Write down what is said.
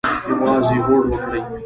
یوازې هوډ وکړئ